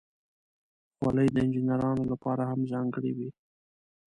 خولۍ د انجینرانو لپاره هم ځانګړې وي.